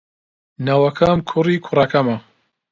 نەوەکەم کوڕی کوڕەکەمە.